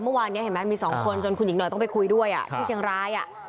เมื่อวานนี้เห็นไหมมีสองคนจนคุณหญิงหน่อยต้องไปคุยด้วยที่เชียงราย